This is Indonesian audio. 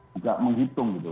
juga menghitung gitu